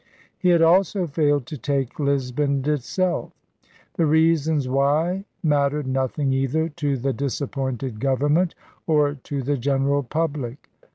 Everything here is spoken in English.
He had also failed to take Lisbon itself. The reasons why mattered nothing either to the disappointed government or to the general public.